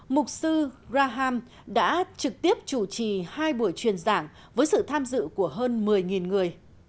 mục sư raham đã trực tiếp chủ trì hai buổi truyền giảng với sự tham dự của hơn một mươi người